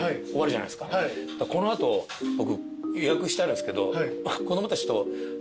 この後僕予約してあるんですけど。